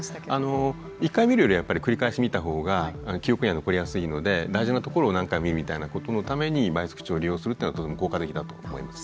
あの１回見るよりやっぱり繰り返し見た方が記憶には残りやすいので大事なところを何回も見るみたいなことのために倍速視聴を利用するっていうのはとても効果的だと思います。